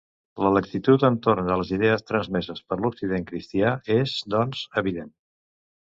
La laxitud entorn de les idees transmeses per l'Occident cristià és, doncs, evident.